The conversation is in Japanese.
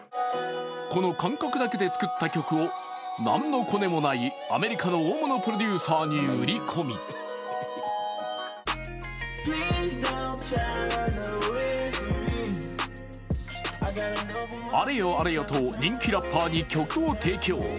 この感覚だけで作った曲を何のコネもないアメリカの大物プロデューサーに売り込みあれよあれよと人気ラッパーに曲を提供。